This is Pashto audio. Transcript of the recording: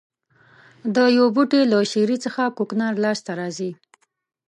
د یوه بوټي له شېرې څخه کوکنار لاس ته راځي.